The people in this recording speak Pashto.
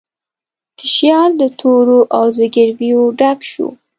تشیال د تورو او زګیرویو ډک شو